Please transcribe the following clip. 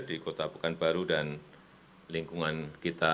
di kota pekanbaru dan lingkungan kita